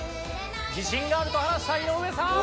自信があると話した井上さん。